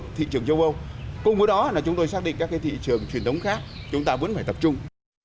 cùng với đó là chúng tôi xác định các thị trường truyền thống khác chúng ta vẫn phải tập trung